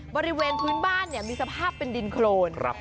บริเวณพื้นบ้านมีสภาพเป็นดินโครน